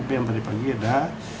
tapi yang tadi pagi ada